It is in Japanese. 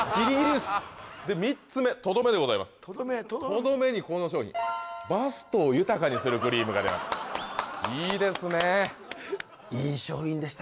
３つ目とどめでございますとどめにこの商品バストを豊かにするクリームが出ましたいいですね